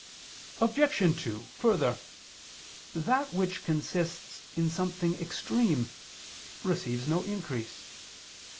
Obj. 2: Further, that which consists in something extreme receives no increase.